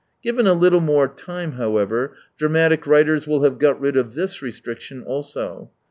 Given a little more time, however, dramatic writers will have got rid of this restriction also.